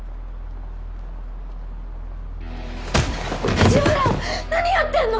藤原何やってんの？